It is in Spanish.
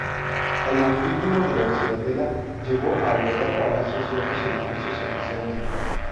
El montículo de la ciudadela llegó a albergar palacios y otros edificios oficiales.